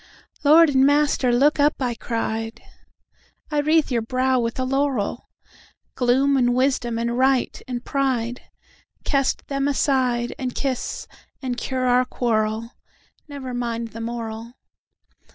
"Lord and master, look up!" I cried;"I wreathe your brow with a laurel! Gloom and wisdom and right and prideCast them aside, And kiss, and cure our quarrel. Never mind the moral!"